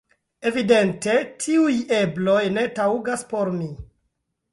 Evidente, tiuj ebloj ne taŭgas por mi.